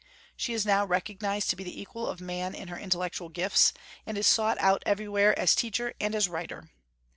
She is now recognized to be the equal of man in her intellectual gifts, and is sought out everywhere as teacher and as writer.